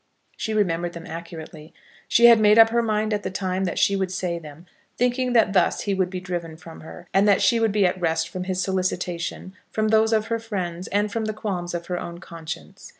She remembered them accurately. She had made up her mind at the time that she would say them, thinking that thus he would be driven from her, and that she would be at rest from his solicitation, from those of her friends, and from the qualms of her own conscience.